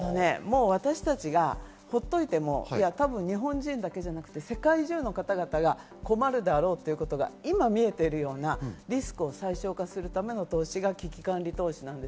私たちが放っておいても日本人だけじゃなくて世界中の方々が困るであろうということが今見えているのがリスクを最小化するための投資が危機管理投資。